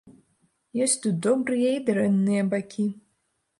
Ёсць тут добрыя і дрэнныя бакі.